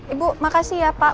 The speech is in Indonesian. ibu makasih ya pak